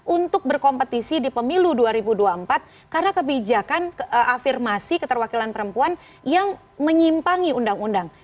untuk berkompetisi di pemilu dua ribu dua puluh empat karena kebijakan afirmasi keterwakilan perempuan yang menyimpangi undang undang